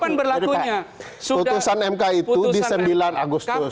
putusan mk itu di sembilan agustus